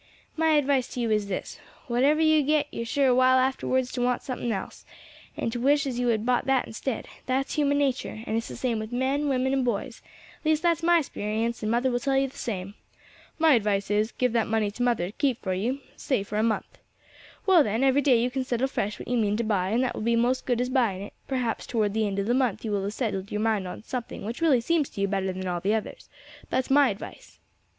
My advice to you is this, whatever you get yer sure a while afterwards to want something else, and to wish as you had bought that instead; that's human nature, and it's the same with men, women, and boys at least that's my 'sperience, and mother will tell you the same. My advice is, give that money to mother to keep for you, say for a month. Well then, every day you can settle fresh what you mean to buy, and that will be most as good as buying it; perhaps towards the end of the month you will have settled yer mind on to something which really seems to you better than all the others: that's my advice."